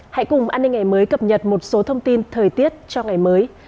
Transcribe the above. hãy cùng an ninh ngày mới cập nhật một số thông tin thời tiết cho ngày mới